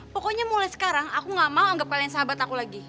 pokoknya mulai sekarang aku gak mau anggap kalian sahabat aku lagi